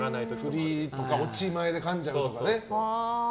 振りとか落ち前でかんじゃったり。